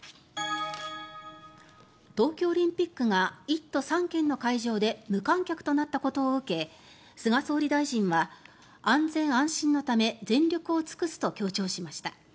東京オリンピックが１都３県の会場で無観客となったことを受け菅総理大臣は安全安心のため全力を尽くすと強調しました。